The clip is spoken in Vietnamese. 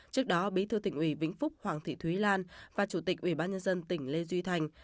trước đó bí thư tỉnh ủy vĩnh phúc hoàng thị thúy lan và chủ tịch ubnd tỉnh lê duy thành